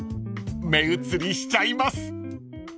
［目移りしちゃいます］